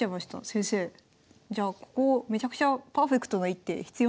先生じゃあここめちゃくちゃパーフェクトな一手必要なんじゃないですか？